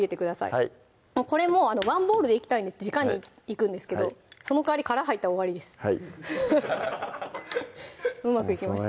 はいこれもワンボウルでいきたいんでじかにいくんですけどその代わり殻入ったら終わりですうまくいきました